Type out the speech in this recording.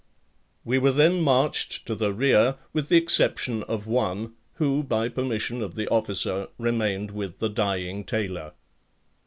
We were then marched to the rear, with the exception of one, who, by permission of the officer, remained with the dying Taylor.